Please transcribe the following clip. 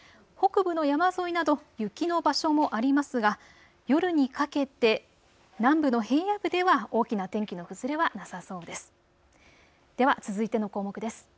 北部の山沿いなど雪の場所もありますが夜にかけて南部の平野部では大きな天気の崩れはなさそうです。